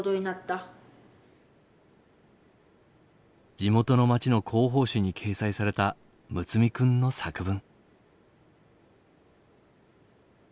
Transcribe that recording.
地元の町の広報誌に掲載された睦弥君の作文。